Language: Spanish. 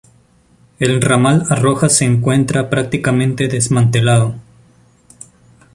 El ramal a Rojas se encuentra prácticamente desmantelado.